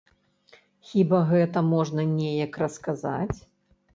Хіба гэта можна неяк расказаць?